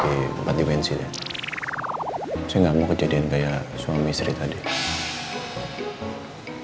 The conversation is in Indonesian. ya pasti tidak mau kejadian seperti suami istri tadi